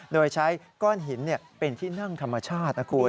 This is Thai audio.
โดยใช้ก้อนหินเป็นที่นั่งธรรมชาตินะคุณ